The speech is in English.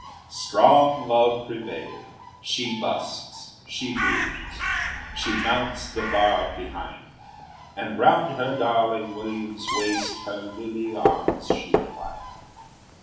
Strong love prevailed: she busks, she bounes, She mounts the barb behind, And round her darling William's waist Her lily arms she twined.